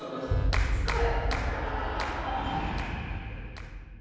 しつこい。